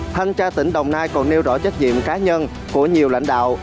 thanh tra tỉnh đồng nai còn nêu rõ trách nhiệm cá nhân của nhiều lãnh đạo